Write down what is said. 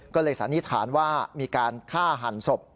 ก็เลยสันนิษฐานว่ามีการฆ่าหันศพ